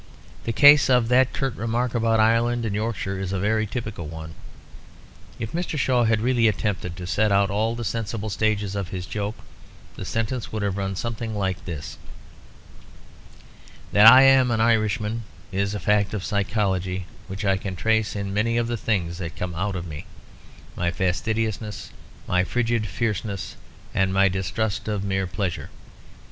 The case of that curt remark about Ireland and Yorkshire is a very typical one. If Mr. Shaw had really attempted to set out all the sensible stages of his joke, the sentence would have run something like this: "That I am an Irishman is a fact of psychology which I can trace in many of the things that come out of me, my fastidiousness, my frigid fierceness and my distrust of mere pleasure.